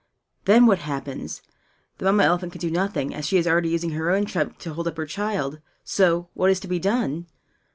Then what happens? The Mamma elephant can do nothing, as she is already using her own trunk to hold up her child. So, what is to be done?